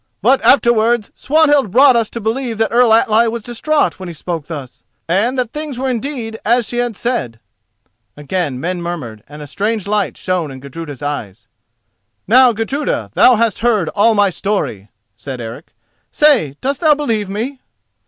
But afterwards Swanhild brought us to believe that Earl Atli was distraught when he spoke thus, and that things were indeed as she had said." Again men murmured, and a strange light shone in Gudruda's eyes. "Now, Gudruda, thou hast heard all my story," said Eric. "Say, dost thou believe me?"